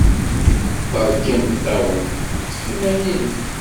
Berka imeṭṭawen. Ṭṭef iman-im.